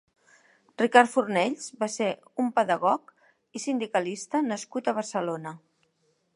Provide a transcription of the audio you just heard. Ricard Fornells va ser un pedagog i sindicalista nascut a Barcelona.